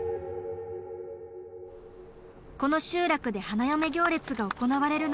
この集落で花嫁行列が行われるのは数十年ぶり。